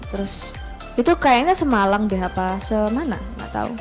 terus itu kayaknya semalang deh apa semana gak tau